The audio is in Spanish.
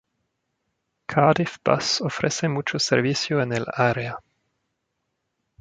Cardiff Bus ofrece muchos servicios en el área.